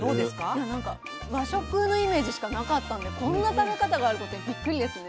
いやなんか和食のイメージしかなかったんでこんな食べ方があることにびっくりですね。